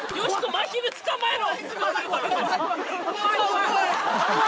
まひる捕まえろ！